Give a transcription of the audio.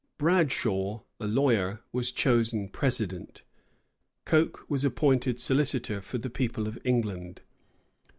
Bradshaw, a lawyer, was chosen president. Coke was appointed solicitor for the people of England.